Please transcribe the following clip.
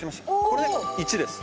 これで１です。